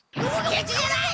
ケチじゃない！